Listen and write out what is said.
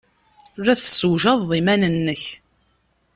La tessewjadeḍ iman-nnek.